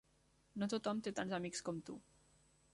No tothom té tants amics com tu.